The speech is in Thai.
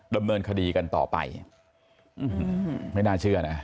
ดำเนินคดีกันต่อไปไม่น่าเชื่อนะ